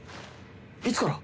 いつから？